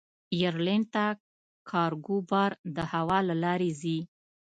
ایرلنډ ته کارګو بار د هوا له لارې ځي.